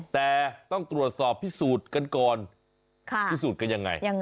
แต่ต้องตรวจสอบพิสูจน์กันก่อนพิสูจน์กันยังไง